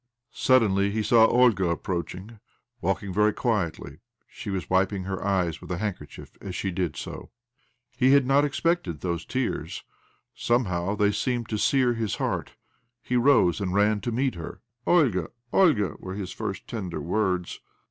Suddenly he saw Olga approaching. Walking very quietly, she was wiping her eyes with a handkerchief as she did so. He had not expected those tears. Somehow OBLOMOV 189 they seemed to sear his heart. He rose and ran to meet her. " Olga, Olga 1 " were his first tender words.